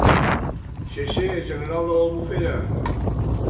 Xe, xe, general de l'Albufera.